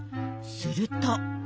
すると。